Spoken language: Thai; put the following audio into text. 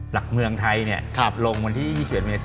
หลักเมืองไทยลงที่๒๑มิศ